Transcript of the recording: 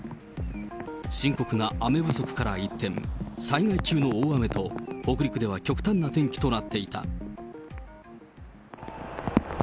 深刻な雨不足から一転、災害級の大雨と、北陸では極端な天気となっていた。